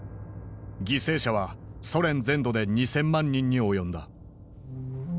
犠牲者はソ連全土で２，０００万人に及んだ。